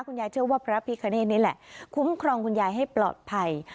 เชื่อว่าพระพิคเนธนี่แหละคุ้มครองคุณยายให้ปลอดภัย